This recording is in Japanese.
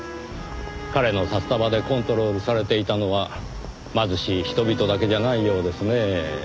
彼の札束でコントロールされていたのは貧しい人々だけじゃないようですねぇ。